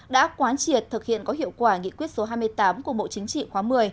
đã quán triệt thực hiện có hiệu quả nghị quyết số hai mươi tám của bộ chính trị khóa một mươi